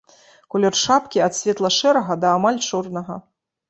Колер шапкі ад светла-шэрага да амаль чорнага.